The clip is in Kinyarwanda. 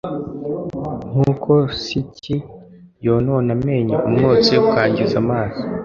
Nk’uko siki yonona amenyo umwotsi ukangiza amaso